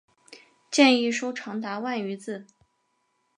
建议书长达万余字。